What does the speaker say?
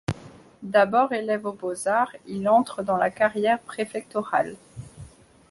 D'abord élève aux Beaux-Arts, il entre dans la carrière préfectorale.